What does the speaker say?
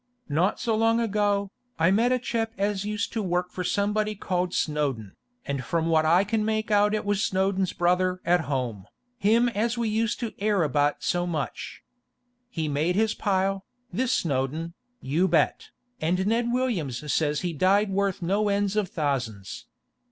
Not so long ago, I met a chap as used to work for somebody called Snowdon, and from what I can make out it was Snowdon's brother at home, him as we use to ere so much about. He'd made his pile, this Snowdon, you bet, and Ned Williams says he died worth no end of thousands.